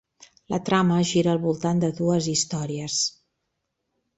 La trama gira al voltant de dues històries.